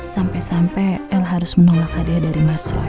sampai sampai l harus menolak hadiah dari mas roy